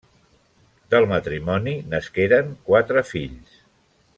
Del matrimoni nasqueren quatre fills: